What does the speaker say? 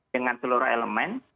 dengan seluruh elemen